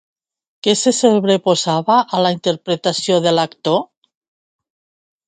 Què se sobreposava a la interpretació de l'actor?